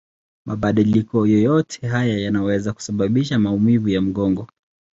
Mabadiliko yoyote haya yanaweza kusababisha maumivu ya mgongo.